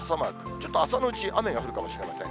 ちょっと朝のうち、雨が降るかもしれません。